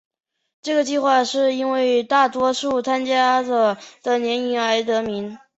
这个计画是因为大多数参加者的年龄而得名。